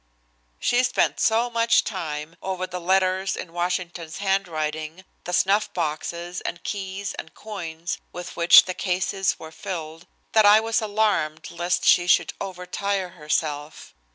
She spent so much time over the old letters in Washington's handwriting, the snuff boxes and keys and coins with which the cases were filled that I was alarmed lest she should over tire herself.